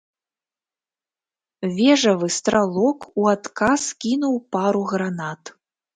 Вежавы стралок у адказ кінуў пару гранат.